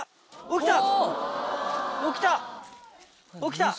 起きた！